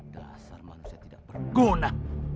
dasar manusia tidak berguna